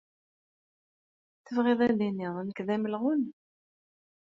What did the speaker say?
Tebɣiḍ ad d-tiniḍ nekk d amelɣun?